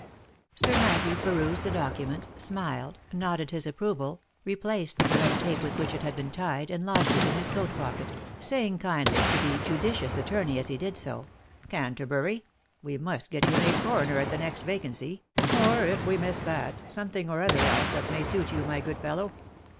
Sir Matthew perused the document, smiled, nodded his approval, replaced the red tape with which it had been tied, and lodged it in his coat pocket, saying kindly to the judicious attorney as he did so, " Cantabury ! we must get you made coroner at the next vacancy — or if we miss that, something or other else that may suit you, my good fellow.